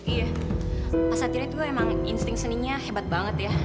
iya pak satria itu emang insting seninya hebat banget ya